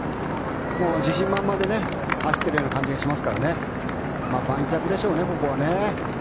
自信満々で走っている感じがしますから盤石でしょうね、ここはね。